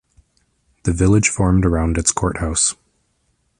The village formed around its courthouse.